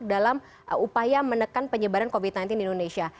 dalam upaya menekan penyebaran covid sembilan belas di indonesia